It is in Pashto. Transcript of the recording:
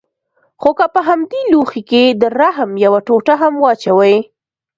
خو که په همدې لوښي کښې د رحم يوه ټوټه هم واچوې.